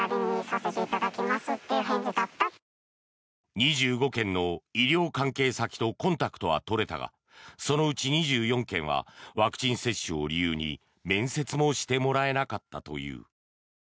２５件の医療関係先とコンタクトは取れたがそのうち２４件はワクチン接種を理由に面接もしてもらえなかったという。